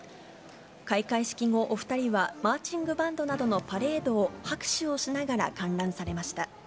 開会式後、お２人は、マーチングバンドなどのパレードを拍手をしながら観覧されました。